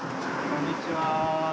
こんにちは。